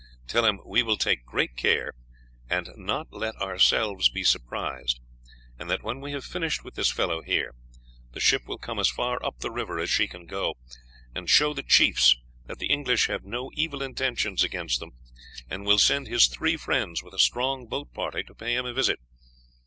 Tell him we will take great care, and not let ourselves be surprised, and that when we have finished with this fellow here, the ship will come as far up the river as she can go, and show the chiefs that the English have no evil intentions against them, and will send his three friends with a strong boat party to pay him a visit.